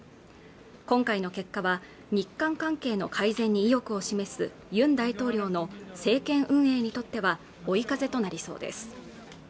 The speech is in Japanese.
今回の結果は日韓関係の改善に意欲を示すユン大統領の政権運営にとっては追い風となりそうです